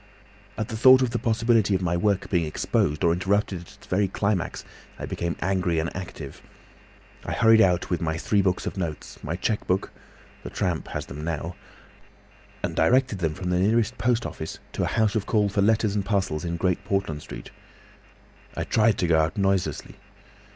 "At the thought of the possibility of my work being exposed or interrupted at its very climax, I became very angry and active. I hurried out with my three books of notes, my cheque book—the tramp has them now—and directed them from the nearest Post Office to a house of call for letters and parcels in Great Portland Street. I tried to go out noiselessly.